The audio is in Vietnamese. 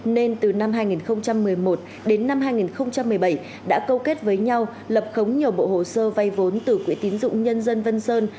nên từ năm hai nghìn một mươi một đến năm hai nghìn một mươi bảy đã câu kết với nhau lập khống nhiều bộ hồ sơ vay vốn từ quỹ tín dụng nhân dân vân sơn